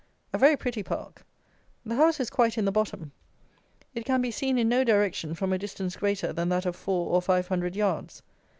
A very pretty park. The house is quite in the bottom; it can be seen in no direction from a distance greater than that of four or five hundred yards.